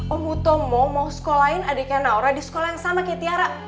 oh hutomo mau sekolahin adiknya naura di sekolah yang sama kayak tiara